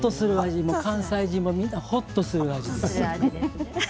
関西人もみんなほっとする味です。